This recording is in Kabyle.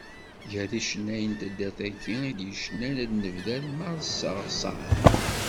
Gar yicennayen n taddart-agi i d-yecnan ad nebder Marseɣsan.